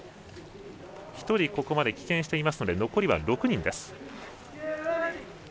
ここまで棄権していますので残りは６人です。